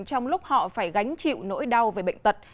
trong lúc họ phải gánh chịu nỗi đau về bệnh tật